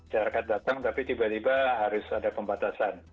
syarakat datang tapi tiba tiba harus ada pembatasan